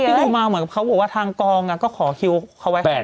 พี่ดูมาเหมือนเขาบอกว่าทางกองอะก็ขอคิวเขาไว้แค่นั้น